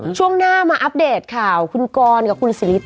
ช่วงหน้ามาอัปเดตข่าวคุณกรกับคุณสิริท